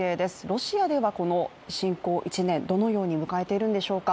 ロシアではこの侵攻１年、どのように迎えているんでしょうか。